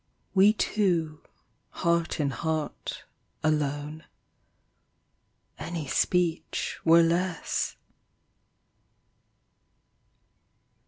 We two, heart in heart, alone ; Any speech were less.